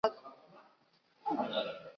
基督教福音宣教会创立。